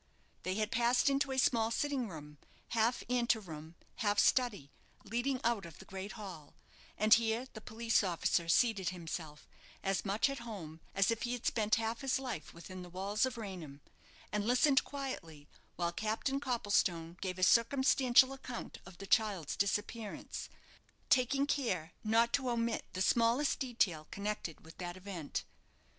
They had passed into a small sitting room, half ante room, half study, leading out of the great hall, and here the police officer seated himself, as much at home as if he had spent half his life within the walls of Raynham, and listened quietly while Captain Copplestone gave a circumstantial account of the child's disappearance, taking care not to omit the smallest detail connected with that event.